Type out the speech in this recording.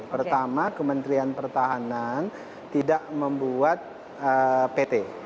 pertama kementerian pertahanan tidak membuat pt